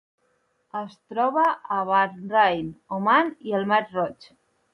Es troba a Bahrain, Oman i el Mar Roig.